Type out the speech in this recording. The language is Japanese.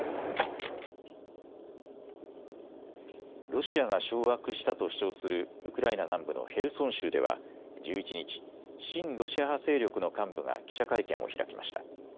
ロシアが掌握したと主張するウクライナ南部のヘルソン州では１１日、親ロシア派勢力の幹部が記者会見を開きました。